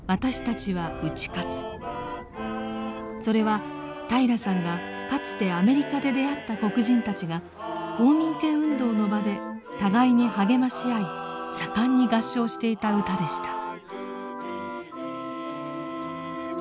それは平良さんがかつてアメリカで出会った黒人たちが公民権運動の場で互いに励まし合い盛んに合唱していた歌でした。